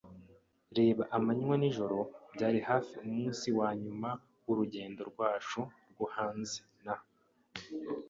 reba amanywa n'ijoro. Byari hafi umunsi wanyuma wurugendo rwacu rwo hanze na